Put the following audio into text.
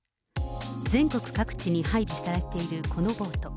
全国各地に配備されているこのボート。